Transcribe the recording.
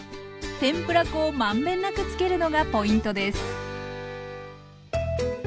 天ぷら粉を満遍なくつけるのがポイントです。